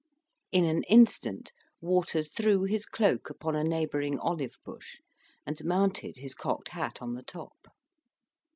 In an instant Waters threw his cloak upon a neighbouring olive bush, and mounted his cocked hat on the top.